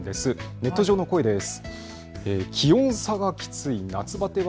ネット上の声です。